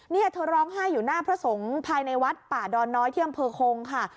นี่เธอร้องไห้อยู่หน้าพระสงฆ์ภายในวัดป่าดอนน้อยที่อำเภอคงค่ะ